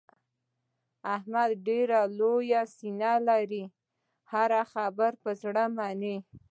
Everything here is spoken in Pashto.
احمد ډېره لویه سینه لري. هره خبره په زړه مني.